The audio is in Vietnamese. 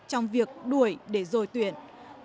trong việc đuổi để rồi tuyển lại